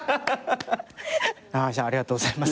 ありがとうございます。